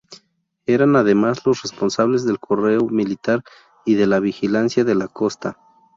Eran además los responsables del correo militar y de la vigilancia de la costa.